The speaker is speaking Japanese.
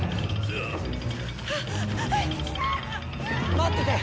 待ってて！